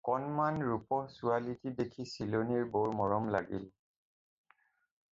কণমান ৰূপহ ছোৱালীটি দেখি চিলনীৰ বৰ মৰম লাগিল।